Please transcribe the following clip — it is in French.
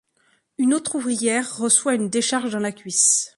Une autre ouvrière reçoit une décharge dans la cuisse.